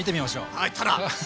はいたら！